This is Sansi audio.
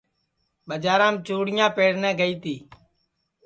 بڄارام چُڑیاں پہرنے گائی تی